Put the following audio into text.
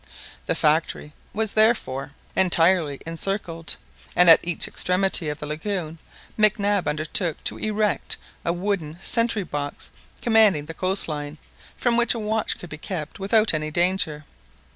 The factory was therefore entirely encircled, and at each extremity of the lagoon Mac Nab undertook to erect a wooden sentry box commanding the coast line, from which a watch could be kept without any danger.